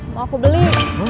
mau aku beli